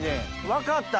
分かった！